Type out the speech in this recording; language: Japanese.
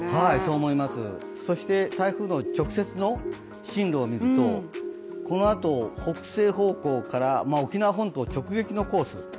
そして台風の直接の進路を見ると、このあと北西方向から沖縄本島直撃のコース。